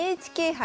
ＮＨＫ杯。